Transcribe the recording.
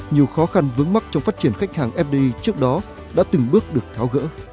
nhiều khó khăn vướng mắt trong phát triển khách hàng fdi trước đó đã từng bước được tháo gỡ